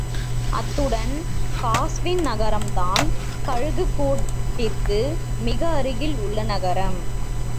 அத்துடன், காஸ்வின் நகரம்தான் கழுகுக் கூட்டிற்கு மிக அருகில் உள்ள நகரம்.